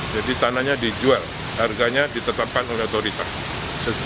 jadi tanahnya dijual harganya ditetapkan oleh otoritas